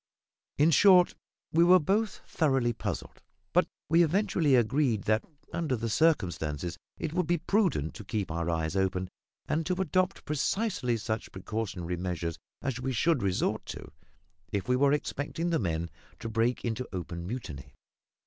In short, we were both thoroughly puzzled. But we eventually agreed that, under the circumstances, it would be prudent to keep our eyes open, and to adopt precisely such precautionary measures as we should resort to if we were expecting the men to break into open mutiny.